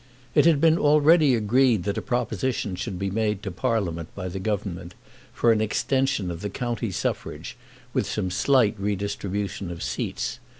It had been already agreed that a proposition should be made to Parliament by the Government, for an extension of the county suffrage, with some slight redistribution of seats.